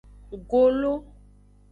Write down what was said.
Golo.